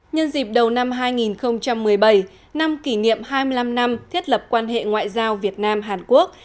nhân dịp đầu năm hai nghìn một mươi bảy năm kỷ niệm hai mươi năm năm thiết lập quan hệ ngoại giao việt nam hàn quốc